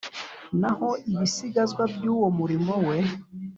naho ibisigazwa by’uwo murimo we,